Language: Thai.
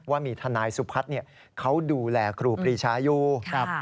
ว่ามีธนายสุพรรทเขาดูแลครูปริชาอยู่